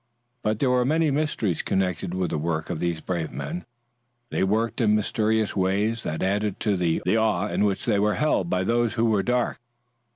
But there were many mysteries connected with the work of these brave men. They worked in mysterious ways that added to the awe in which they were held by those whose ways were dark.